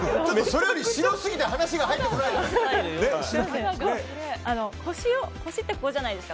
それより白すぎて話が入ってこないです。